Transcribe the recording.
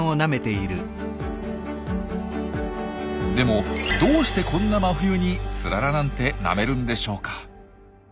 でもどうしてこんな真冬にツララなんてなめるんでしょうか？